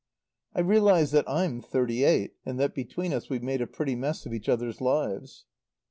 "I realize that I'm thirty eight, and that between us we've made a pretty mess of each other's lives."